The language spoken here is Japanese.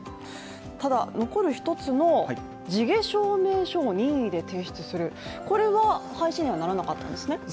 ただ残る１つの地毛証明書を任意で提出する、これは廃止にはならなかったんですね。